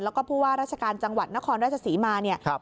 แล้วก็ผู้ว่าราชการจังหวัดนครราชศรีมาเนี่ย